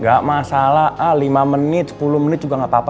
gak masalah al lima menit sepuluh menit juga gapapa